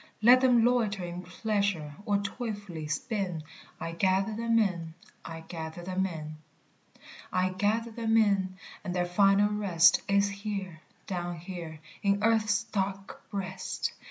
Let them loiter in pleasure or toilfully spin I gather them in, I gather them in. "I gather them in, and their final rest Is here, down here, in earth's dark breast!"